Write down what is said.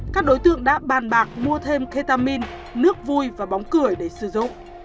các đối tượng đã bàn bạc mua thêm ketamin nước vui và bóng cười để sử dụng